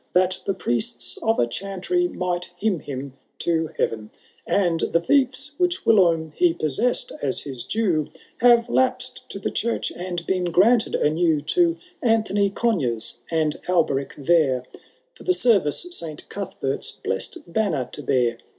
That the priests of a chantry might hymn him to heaTen ; And the fie& which whilome he possessed as his due. Have lapsed to the church, and been granted anew To Anthony Conyers and Alberic Vere, For the service St Cuthbert*s blessed banner to bear.